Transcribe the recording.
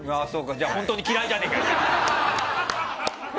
じゃあ本当に嫌いじゃねえかよ！